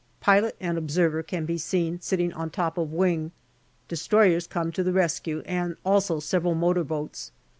Pilot and observer can be seen sitting on top of wing. Destroyers come to the rescue, and also several motor boats.